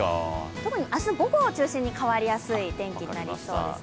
特に明日の午後を中心に変わりやすい天気になりそうですね。